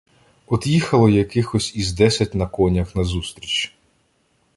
— От їхало якихось із десять на конях назустріч.